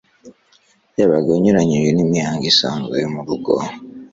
yabaga anyuranyije n'imihango isanzwe yo mu rugo.